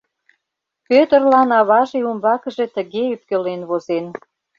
Пӧтырлан аваже умбакыже тыге ӧпкелен возен: